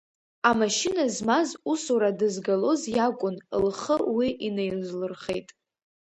Амашьына змаз усура дызгалоз иакәын, лхы уи инаизлырхеит.